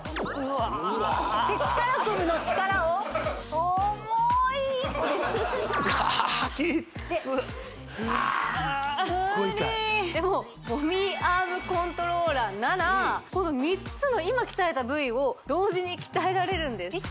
うわあ力こぶの力を重いでもＶＯＮＭＩＥアームコントローラーならこの３つの今鍛えた部位を同時に鍛えられるんです